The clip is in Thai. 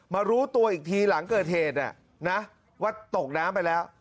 รู้ตัวอีกทีหลังเกิดเหตุว่าตกน้ำไปแล้ว